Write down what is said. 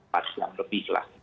pas yang lebih lah